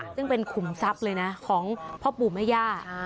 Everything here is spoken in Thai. ซึ่งเป็นขุมทรัพย์เลยนะของพ่อปู่แม่ย่า